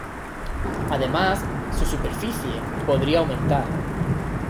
Además su superficie podría aumentar.